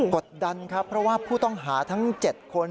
กดดันครับเพราะว่าผู้ต้องหาทั้ง๗คน